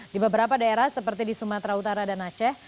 di beberapa daerah seperti di sumatera utara dan aceh